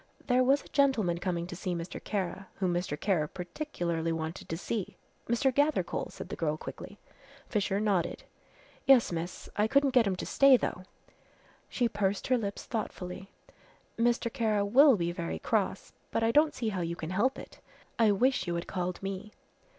"There was a gentleman coming to see Mr. Kara, whom Mr. Kara particularly wanted to see." "Mr. Gathercole," said the girl quickly. Fisher nodded. "Yes, miss, I couldn't get him to stay though." She pursed her lips thoughtfully. "Mr. Kara will be very cross, but I don't see how you can help it. I wish you had called me."